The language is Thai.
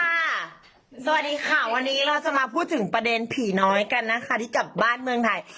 สวัสดีค่ะวันนี้เราจะมาพูดถึงประเด็นผีน้อยกันนะคะที่กลับบ้านเมืองไทย